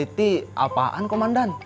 it apaan komandan